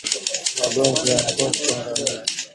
Magonjwa ya ngozi kwa ngamia